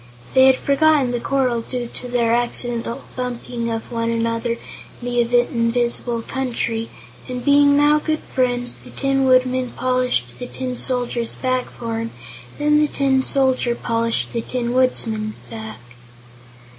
They had forgotten the quarrel due to their accidental bumping of one another in the invisible country, and being now good friends the Tin Woodman polished the Tin Soldier's back for him and then the Tin Soldier polished the Tin Woodman's back.